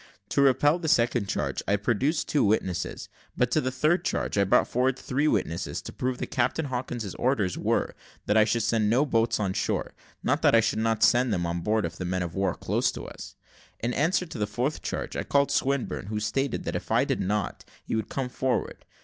To repel the second charge, I produced two witnesses. But to the third charge I brought forward three witnesses, to prove that Captain Hawkins' orders were, that I should send no boats on shore not that I should not send them on board of the men of war close to us. In answer to the fourth charge, I called Swinburne, who stated that if I did not, he would come forward.